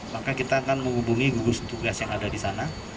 maka kita akan menghubungi gugus tugas yang ada di sana